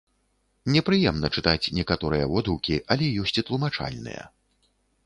Непрыемна чытаць некаторыя водгукі, але ёсць і тлумачальныя.